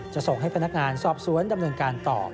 จะส่งให้พนักงานสอบสวนดำเนินการต่อ